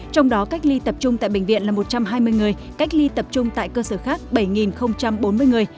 trong đó cách ly tập trung tại bệnh viện là một trăm hai mươi người cách ly tập trung tại cơ sở khác bảy bốn mươi người